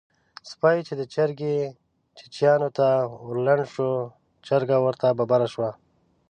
سپی چې د چرګې چیچيانو ته ورلنډ شو؛ چرګه ورته ببره شوه.